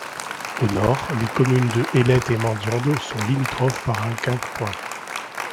Au nord, les communes de Hélette et Mendionde sont limitrophes par un quinquepoint.